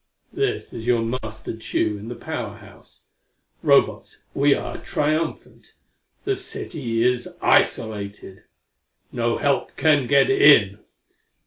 "_This is your Master Tugh in the Power House. Robots, we are triumphant! The city is isolated! No help can get in!